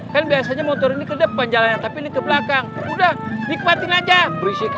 kan biasanya motor ini ke depan jalannya tapi ini ke belakang udah nikmatin aja berisikan